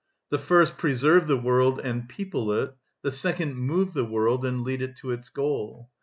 The first preserve the world and people it, the second move the world and lead it to its goal.